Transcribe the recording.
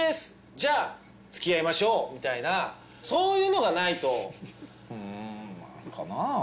「じゃあつきあいましょう」みたいなそういうのがないとうんまぁかな？